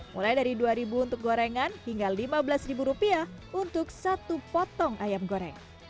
mulai dari rp dua untuk gorengan hingga lima belas rupiah untuk satu potong ayam goreng